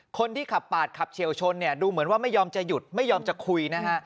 คนที่ขับปาดขับเฉียวชนเนี่ยดูเหมือนว่าไม่ยอมจะหยุดไม่ยอมจะคุยนะฮะ